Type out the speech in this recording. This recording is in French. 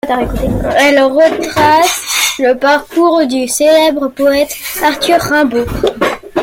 Elle retrace le parcours du célèbre poète Arthur Rimbaud.